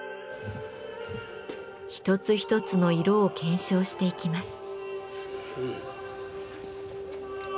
一つ一つの色を検証していきます。